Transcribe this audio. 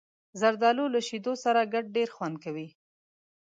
زردالو له شیدو سره ګډ ډېر خوند کوي.